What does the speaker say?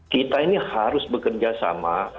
kita ini harus bekerja sama